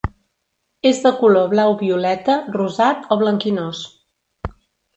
És de color blau-violeta, rosat o blanquinós.